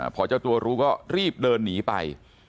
พอเจ้าตัวรู้ก็รีบเดินหนีไป